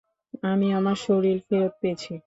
আমি আমার শরীর ফেরত পেয়েছি।